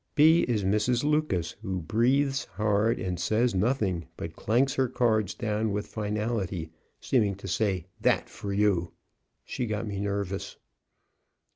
B is Mrs. Lucas, who breathes hard and says nothing, but clanks her cards down with finality, seeming to say: "That for you!" She got me nervous.